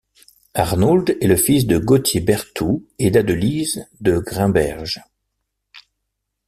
Arnould est le fils de Gauthier Berthout et d'Adelise de Grimberghe.